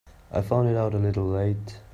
I found it out a little late.